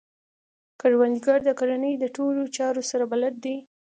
کروندګر د کرنې د ټولو چارو سره بلد دی